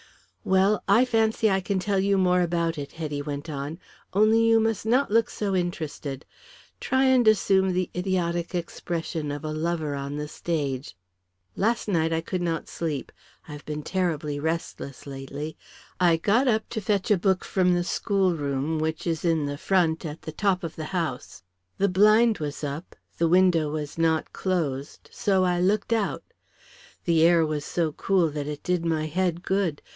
"Well, I fancy I can tell you more about it," Hetty went on. "Only you must not look so interested. Try and assume the idiotic expression of a lover on the stage. Last night I could not sleep. I have been terribly restless lately. I got up to fetch a book from the schoolroom, which is in the front at the top of the house. The blind was up, the window was not closed, so I looked out. The air was so cool that it did my head good.